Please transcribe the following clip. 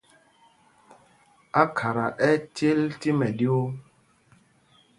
Ákhata ɛ́ ɛ́ cěl tí mɛɗyuu.